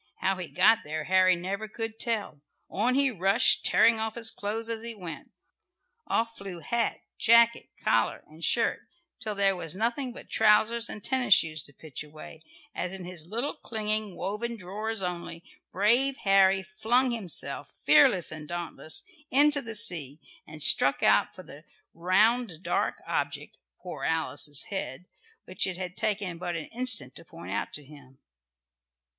How he got there Harry never could tell. On he rushed, tearing off his clothes as he went. Off flew hat, jacket, collar and shirt, till there was nothing but trousers and tennis shoes to pitch away, as in his little clinging woven drawers only, brave Harry flung himself, fearless and dauntless, into the sea, and struck out for the round dark object, poor Alice's head, which it had taken but an instant to point out to him.